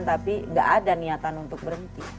tapi gak ada niatan untuk berhenti